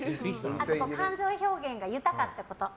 感情表現も豊かってこと。